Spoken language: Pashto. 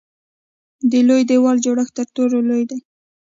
د لوی دیوال جوړښت تر ټولو لوی دی.